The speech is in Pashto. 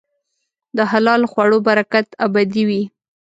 د حلال خوړو برکت ابدي وي.